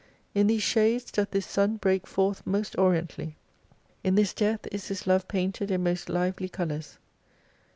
In these shades doth this sun break forth most oriently. In this death is His love painted in most Hvely colours.